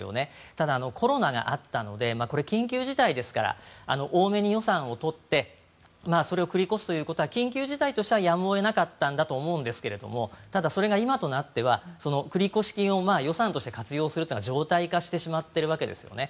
ただ、コロナがあったので緊急事態ですから多めに予算を取ってそれを繰り越すということは緊急事態としてはやむを得なかったと思うんですがただ、それが今となっては繰越金を予算として活用するというのは常態化をしてしまっているわけですよね。